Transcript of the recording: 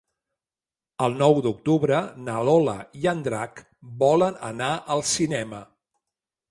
El nou d'octubre na Lola i en Drac volen anar al cinema.